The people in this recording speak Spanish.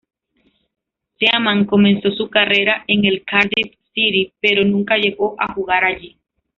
Seaman comenzó su carrera en el Cardiff City, pero nunca llegó a jugar allí.